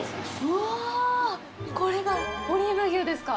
うわ、これがオリーブ牛ですか。